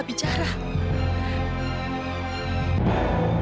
ibu menjaga kita